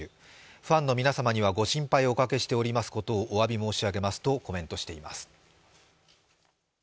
ファンの皆様にはご心配をおかけしておりますことをおわび申し上げますとコメントしています。